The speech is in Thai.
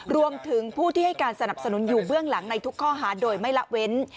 รวมถึงผู้ที่ให้การสนับสนุนอยู่เบื้องหลังในทุกข้อหาโดยไม่ละเว้น